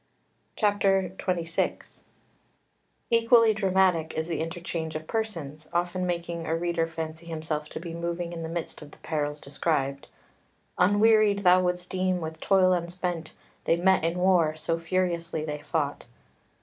XXVI Equally dramatic is the interchange of persons, often making a reader fancy himself to be moving in the midst of the perils described "Unwearied, thou wouldst deem, with toil unspent, They met in war; so furiously they fought."